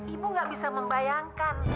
ibu gak bisa membayangkan